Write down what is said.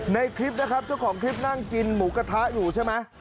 ในคลิปนะครับเจ้าของคลิปนั่งกินหมูกระทะอยู่ใช่ไหม